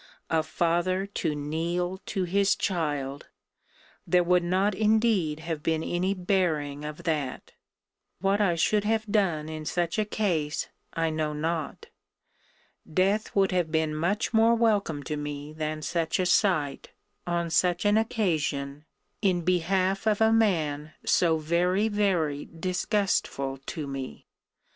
A father to kneel to his child! There would not indeed have been any bearing of that! What I should have done in such a case, I know not. Death would have been much more welcome to me than such a sight, on such an occasion, in behalf of a man so very, very disgustful to me!